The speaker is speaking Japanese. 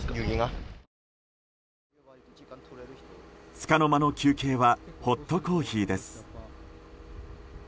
つかの間の休憩はホットコーヒーです。